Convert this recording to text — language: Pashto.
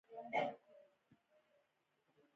اصول مراعاتول پر تاوتریخوالي برلاسي کیږي.